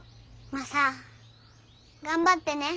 マサ頑張ってね。